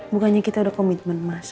bukannya kita ada komitmen mas